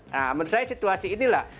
nah menurut saya situasi inilah